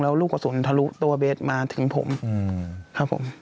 แล้วลูกกระสุนทะลุตัวเบสมาถึงผมครับผม